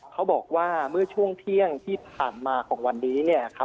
เขาบอกว่าเมื่อช่วงเที่ยงที่ผ่านมาของวันนี้